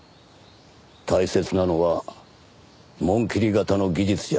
大切なのは紋切り型の技術じゃない。